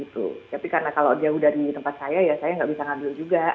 tapi kalau jauh dari tempat saya saya gak bisa ngambil juga